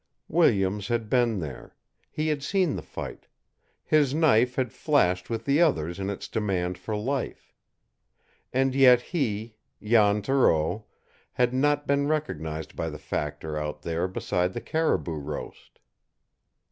Williams had been there; he had seen the fight his knife had flashed with the others in its demand for life. And yet he Jan Thoreau had not been recognized by the factor out there beside the caribou roast!